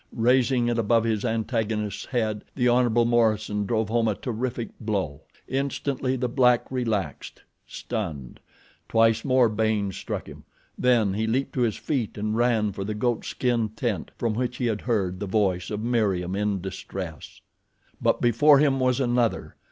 Raising it above his antagonist's head the Hon. Morison drove home a terrific blow. Instantly the black relaxed—stunned. Twice more Baynes struck him. Then he leaped to his feet and ran for the goat skin tent from which he had heard the voice of Meriem in distress. But before him was another.